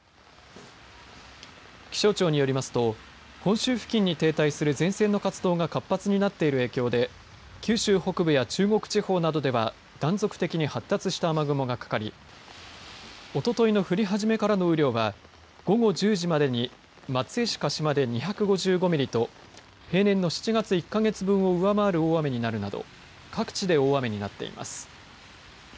気象庁によりますと本州付近に停滞する前線の活動が活発になっている影響で九州北部や中国地方などでは断続的に発達した雨雲がかかりおとといの降り始めからの雨量は午後１０時までに松江市鹿島で２５５ミリと平年の７月１か月分を上回る大雨になるなど各地で大雨になっています。